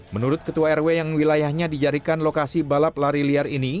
menurut ketua rw yang wilayahnya dijadikan lokasi balap lari liar ini